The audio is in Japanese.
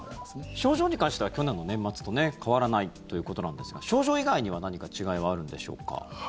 症状に関しては去年の年末と変わらないということなんですが症状以外には何か違いはあるんでしょうか？